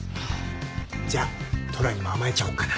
じゃあ虎にも甘えちゃおうかな。